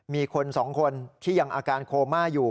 มีคน๒คนที่ยังอาการโคม่าอยู่